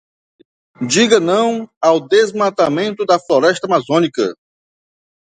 Diga não ao desmatamento da floresta amazônica